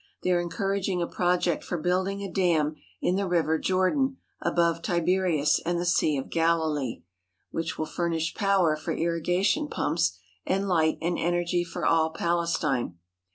They are encouraging a project for building a dam in the River Jordan, above Tiberias and the Sea of Galilee, which will furnish power for irrigation pumps and light and energy for all Palestine.